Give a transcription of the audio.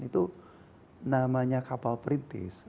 itu namanya kapal perintis